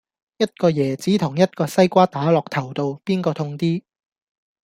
一個椰子同一個西瓜打落頭度,邊個痛啲